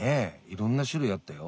いろんな種類あったよ。